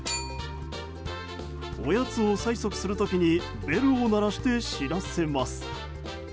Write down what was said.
おやつを催促する時にベルを鳴らして知らせます。